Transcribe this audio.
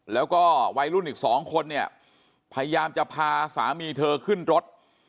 แล้วก็วัยรุ่นอีกสองคนเนี่ยพยายามจะพาสามีเธอขึ้นรถ